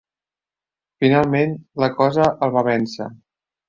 Finalment, la Cosa el va vèncer.